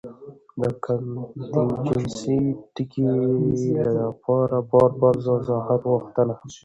د کانټېنجنسي ټکي له پاره بار بار وضاحت غوښتۀ